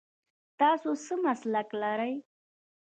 تاسو څه مسلک لرئ ؟